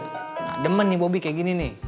nggak demen nih bobi kayak gini nih